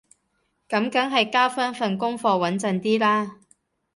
噉梗係交返份功課穩陣啲啦